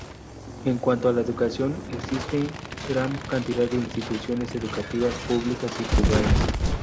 En cuanto a la educación existen gran cantidad de instituciones educativas públicas y privadas.